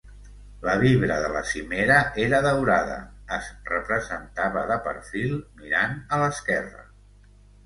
La vibra de la cimera era daurada, es representava de perfil, mirant a l'esquerra.